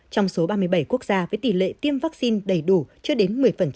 trong số ba mươi bảy quốc gia với tỷ lệ tiêm vaccine đầy đủ chưa đến một mươi